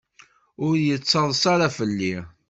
Ur yettaḍsa ara fell-i.